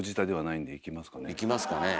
いきますかね。